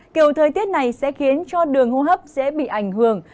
kiểu thời tiết này sẽ khiến cho đường hô hấp dễ bị ảnh hưởng